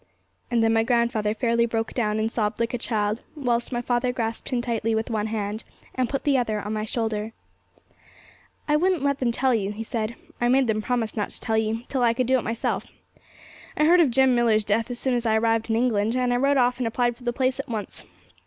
And then my grandfather fairly broke down, and sobbed like a child, whilst my father grasped him tightly with one hand, and put the other on my shoulder. 'I wouldn't let them tell you,' he said 'I made them promise not to tell you till I could do it myself. I heard of Jem Millar's death as soon as I arrived in England, and I wrote off and applied for the place at once.